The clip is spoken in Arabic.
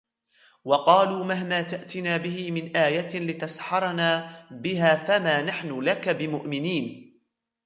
وَقَالُوا مَهْمَا تَأْتِنَا بِهِ مِنْ آيَةٍ لِتَسْحَرَنَا بِهَا فَمَا نَحْنُ لَكَ بِمُؤْمِنِينَ